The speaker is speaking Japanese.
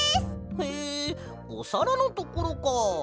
へえおさらのところか。